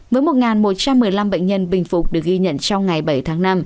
với một một trăm một mươi năm bệnh nhân bình phục được ghi nhận trong ngày bảy tháng năm